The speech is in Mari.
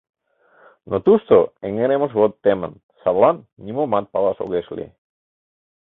Но тушто эҥыремышвот темын, садлан нимомат палаш огеш лий.